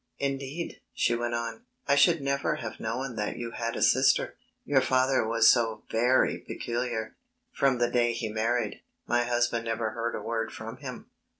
"Indeed," she went on, "I should never have known that you had a sister. Your father was so very peculiar. From the day he married, my husband never heard a word from him."